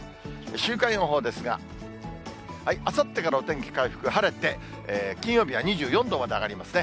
週間予報ですが、あさってからお天気回復、晴れて、金曜日は２４度まで上がりますね。